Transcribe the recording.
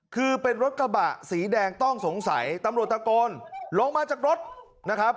คือเป็นรถกระบะสีแดงต้องสงสัยตำรวจตะโกนลงมาจากรถนะครับ